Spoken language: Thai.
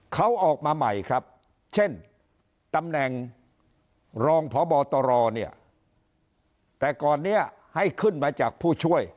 เขาออกมาใหม่ครับเช่นตำแหน่งรองพบตรเนี่ยแต่ก่อนนี้ให้ขึ้นมาจากผู้ช่วย